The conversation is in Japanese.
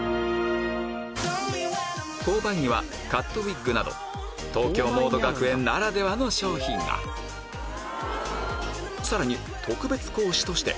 購買にはカットウィッグなど東京モード学園ならではの商品がさらに特別講師として